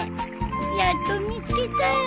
やっと見つけたよ。